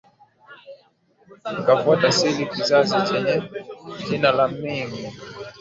Ikafuata asili kizazi chenye jina la Ming